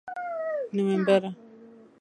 نومبره!